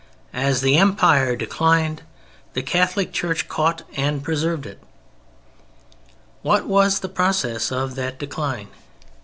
As the Empire declined the Catholic Church caught and preserved it. What was the process of that decline?